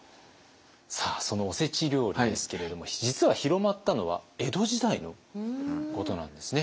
さあそのおせち料理ですけれども実は広まったのは江戸時代のことなんですね。